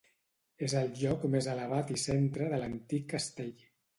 És el lloc més elevat i centre de l'antic castell.